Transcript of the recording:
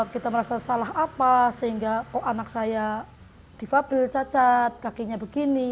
kita merasa salah apa sehingga kok anak saya defable cacat kakinya begini